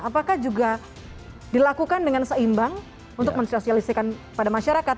apakah juga dilakukan dengan seimbang untuk mensosialisikan pada masyarakat